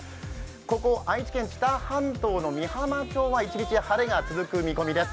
ここ愛知県・知多半島の美浜町は一日晴れが続く予想です。